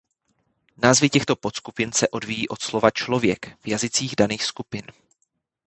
Názvy těchto podskupin se odvíjí od slova "člověk" v jazycích daných skupin.